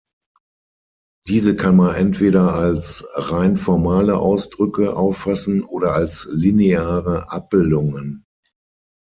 Diese kann man entweder als rein formale Ausdrücke auffassen oder als lineare Abbildungen.